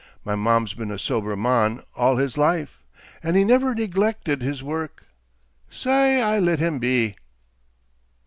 My mon's been a sober mon all his life, and he never negleckit his wark. Sae I let him be."